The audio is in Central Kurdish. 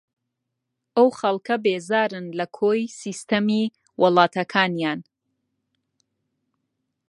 ئەو خەڵکە بێزارن لە کۆی سیستەمی وڵاتەکانیان